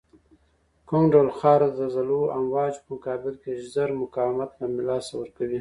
کوم ډول خاوره د زلزلوي امواجو په مقابل کې زر مقاومت له لاسه ورکوی